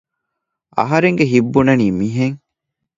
އަހަރެންގެ ހިތް ބުނަނީ މިހެން